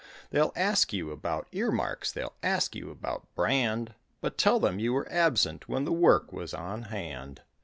They'll ask you about ear marks, they'll ask you about brand, But tell them you were absent when the work was on hand.